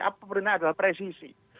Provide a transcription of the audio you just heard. apa perintah adalah presisi